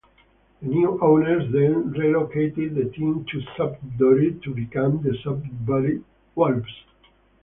The new owners then relocated the team to Sudbury to become the Sudbury Wolves.